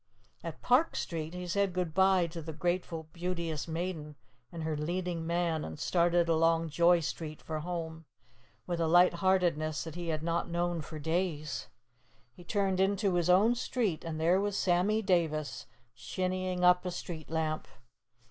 At Park Street he said good bye to the grateful Beauteous Maiden and her leading man and started along Joy Street for home, with a light heartedness that he had not known for days. He turned into his own street and there was Sammy Davis, shinnying up a street lamp.